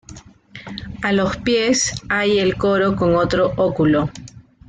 A los pies hay el coro con otro óculo.